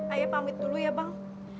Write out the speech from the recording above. ayah pamit dulu ya bang